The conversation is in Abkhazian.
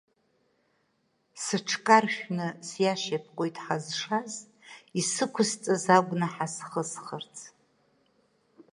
Сыҽкаршәны сиашьапкуеит ҳазшаз, исықәысҵаз агәнаҳа схысхырц.